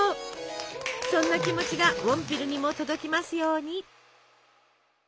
そんな気持ちがウォンピルにも届きますように！